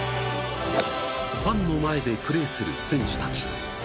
ファンの前でプレーする選手たち。